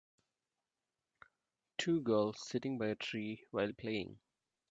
two girls sitting by a tree while playing.